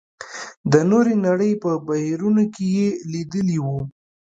د نورې نړۍ په بهیرونو کې یې لېدلي وو.